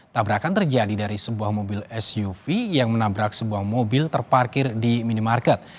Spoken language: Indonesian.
tabrakan terjadi dari sebuah mobil suv yang menabrak sebuah mobil terparkir di minimarket